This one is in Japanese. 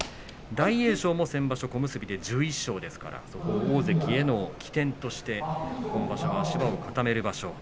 大栄翔も先場所小結で１１勝ですから大関への起点として今場所は足場を固める場所。